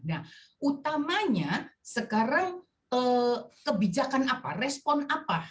nah utamanya sekarang kebijakan apa respon apa